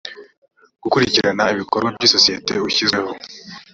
gukurikirana ibikorwa by isosiyete ushyizweho